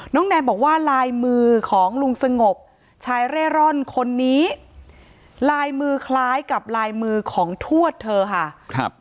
แนนบอกว่าลายมือของลุงสงบชายเร่ร่อนคนนี้ลายมือคล้ายกับลายมือของทวดเธอค่ะครับ